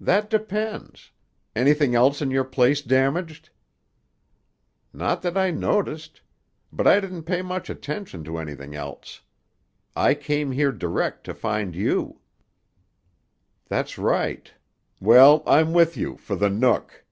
"That depends. Anything else in your place damaged?" "Not that I noticed. But I didn't pay much attention to anything else. I came here direct to find you." "That's right. Well, I'm with you, for the Nook."